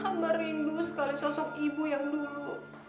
hamba rindu sekali sosok ibu yang dulu